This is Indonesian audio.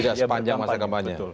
tidak sepanjang masa kampanye